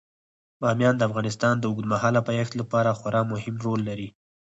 بامیان د افغانستان د اوږدمهاله پایښت لپاره خورا مهم رول لري.